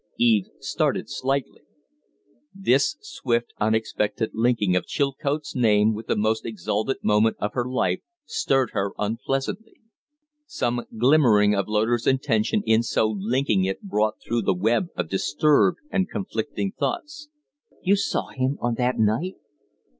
Eve started slightly. This swift, unexpected linking of Chilcote's name with the most exalted moment of her life stirred her unpleasantly. Some glimmering of Loder's intention in so linking it, broke through the web of disturbed and conflicting thoughts. "You saw him on that night?"